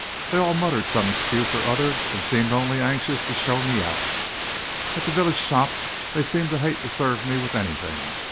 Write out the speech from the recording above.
They all muttered some excuse or other, and seemed only anxious to show me out. At the village shop they seemed to hate to serve me with anything.